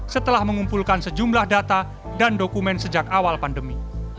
setelah mengumpulkan sejumlah data dan dokumen sejak awal pandemi